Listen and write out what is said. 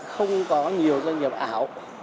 không có nhiều doanh nghiệp ảo